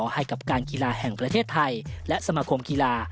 ให้กับการกีฬาแห่งประเทศไทยและสมาคมกีฬา